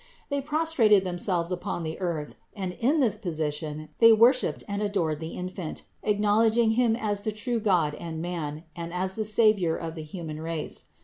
They prostrated themselves upon the earth, and in this position they worshiped and adored the Infant, acknowledging Him as the true God and man, and as the Savior of the human race.